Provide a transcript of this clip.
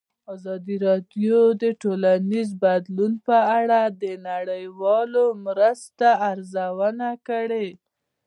ازادي راډیو د ټولنیز بدلون په اړه د نړیوالو مرستو ارزونه کړې.